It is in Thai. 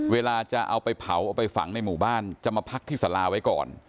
เวลาจะเอาไปเผาเอาไปฝังในหมู่บ้านจะมาพักที่สาราไว้ก่อน